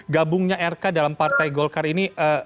gabungnya rk dalam partai golkar ini